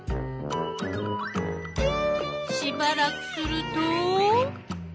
しばらくすると？